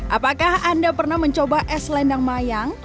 apakah anda pernah mencoba es lendang mayang